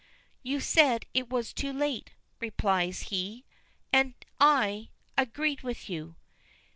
"You said it was too late," replies he. "And I agreed with you."